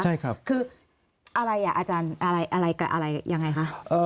ใช่ครับคืออะไรอ่ะอาจารย์อะไรกับอะไรยังไงคะ